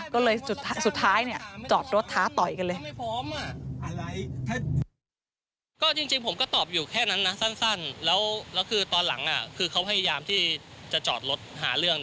ก็จริงผมก็ตอบอยู่แค่นั้นนะสั้นแล้วคือตอนหลังคือเขาพยายามที่จะจอดรถหาเรื่อง